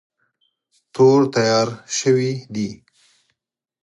تور تیار شوی دی.